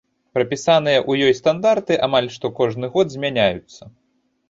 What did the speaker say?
Прапісаныя ў ёй стандарты амаль што кожны год змяняюцца.